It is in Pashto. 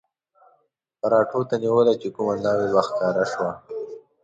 پراټو ته نیوله چې کومه ناوې به را ښکاره شوه.